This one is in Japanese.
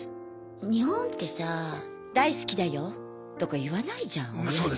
日本ってさ大好きだよとか言わないじゃん親に。